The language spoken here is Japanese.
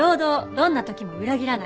どんな時も裏切らない。